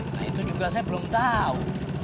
nah itu juga saya belum tahu